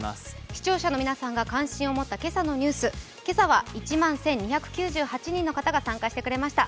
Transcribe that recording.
視聴者の皆さんが関心を持った今朝のニュース、今朝は１万１２９８人の方が参加してくださいました。